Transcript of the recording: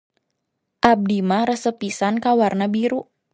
Abdi mah resep pisan ka warna biru.